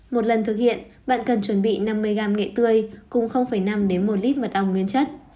một lần thực hiện bạn cần chuẩn bị năm mươi g nghệ tươi cùng năm một lít mặt ong nguyên chất